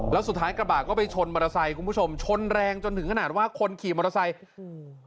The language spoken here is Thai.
แล้วสุดท้ายกระบะก็ไปชนมอเตอร์ไซค์คุณผู้ชมชนแรงจนถึงขนาดว่าคนขี่มอเตอร์ไซค์อืม